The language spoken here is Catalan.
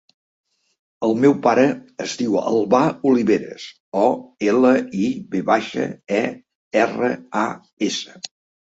El meu pare es diu Albà Oliveras: o, ela, i, ve baixa, e, erra, a, essa.